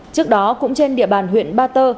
trước đó cũng trên địa bàn huyện ba tơ